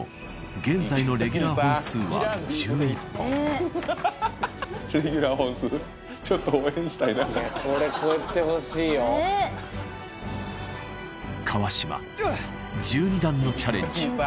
現在のレギュラー本数は１１本川島１２段のチャレンジ